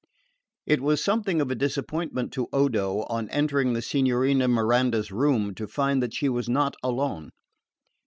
It was something of a disappointment to Odo, on entering the Signorina Miranda's room, to find that she was not alone.